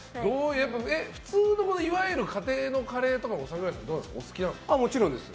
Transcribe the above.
普通のいわゆる家庭のカレーとかも桜井さん、どうなんですか？